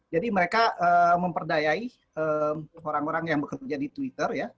jadi mereka memperdayai orang orang yang bekerja di twitter ya